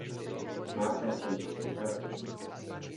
Má celkem tři řady.